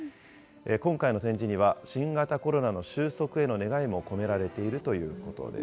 今回の展示には、新型コロナの収束への願いも込められているということです。